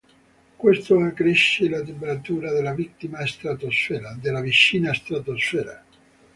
Questo accresce la temperatura della vicina stratosfera.